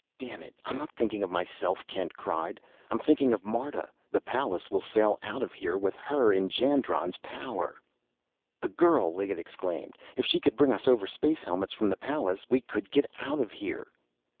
"Damn it, I'm not thinking of myself!" Kent cried. "I'm thinking of Marta! The Pallas will sail out of here with her in Jandron's power!" "The girl!" Liggett exclaimed. "If she could bring us over space helmets from the Pallas we could get out of here!"